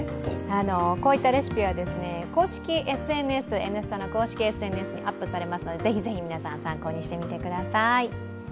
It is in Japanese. こういったレシピはＳＮＳの公式Ｉｎｓｔａｇｒａｍにアップされますのでぜひぜひ皆さん参考にしてみてください。